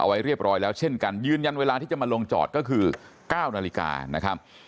ไว้เรียบร้อยแล้วเช่นกันยืนยันเวลาที่จะมาลงจอดก็คือ๙นาฬิกานะครับ